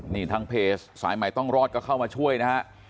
นี่ทางเพจสายใหม่ต้องรอดก็เข้ามาช่วยนะฮะ